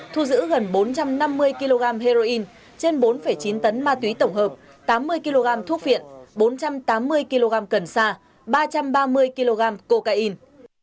thu giữ gần bốn trăm năm mươi kg heroin trên bốn chín tấn ma túy tổng hợp tám mươi kg thuốc viện bốn trăm tám mươi kg cần sa ba trăm ba mươi kg cocaine